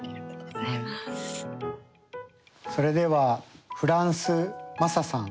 それではフランスｍａｓａさん。